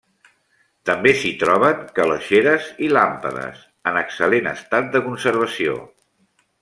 També s'hi troben calaixeres i làmpades, en excel·lent estat de conservació.